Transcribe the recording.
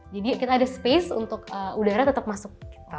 jadi kita ada space untuk udara tetap masuk